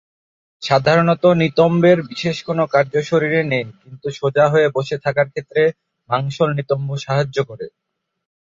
সাধারণত নিতম্বের বিশেষ কোন কার্য শরীরে নেই কিন্তু সোজা হয়ে বসে থাকার ক্ষেত্রে মাংসল নিতম্ব সাহায্য করে।